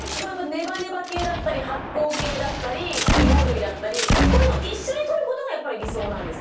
ネバネバ系だったり発酵系だったりいも類だったりこういうのを一緒にとることがやっぱり理想なんですか？